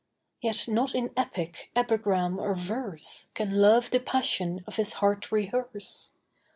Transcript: Yet not in epic, epigram or verse Can Love the passion of his heart rehearse.